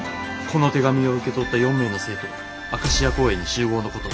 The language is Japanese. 「この手紙を受け取った４名の生徒はアカシア公園に集合のこと」。